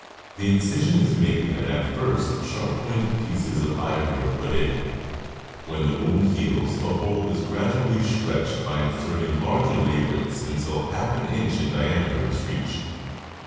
* The incision is made and at first sharp pointed pieces of ivory are put in; when the wound heals the hole is grad ually stretched by inserting larger labrets until half an inch in diameter is reached.